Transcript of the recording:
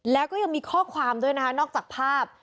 และก็เท่ามีข้อความด้วยนอกจากภาพ